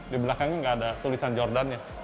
di belakangnya nggak ada tulisan jordan nya